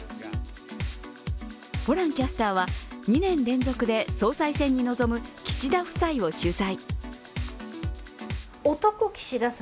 ホランキャスターは２年連続で総裁選に臨む岸田夫妻を取材。